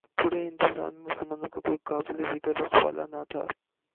پورے ہندوستان میں مسلمانوں کا کوئی قابل ذکر رکھوالا نہ تھا۔